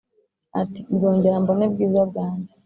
ati"nzongera mbone bwiza bwanjye